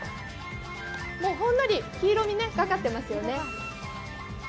ほんのり黄色みがかってますよね。